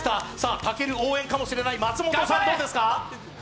武尊応援かもしれない松本さん、どうですか？